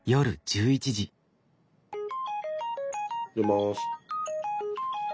出ます。